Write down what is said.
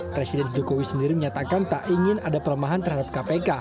presiden jokowi sendiri menyatakan tak ingin ada pelemahan terhadap kpk